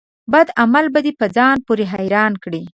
بد عمل به دي په ځان پوري حيران کړي